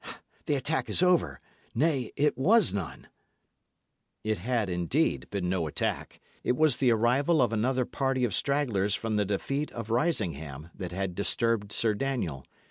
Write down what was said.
The attack is over. Nay, it was none!" It had, indeed, been no attack; it was the arrival of another party of stragglers from the defeat of Risingham that had disturbed Sir Daniel.